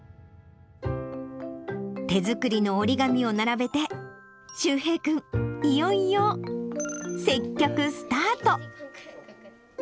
手作りの折り紙を並べて、柊平君、いよいよ接客スタート。